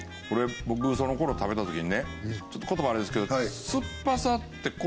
これ僕その頃食べた時にねちょっと言葉悪いんですけど酸っぱさって